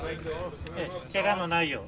ケガのないよう。